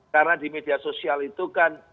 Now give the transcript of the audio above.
karena di media sosial itu kan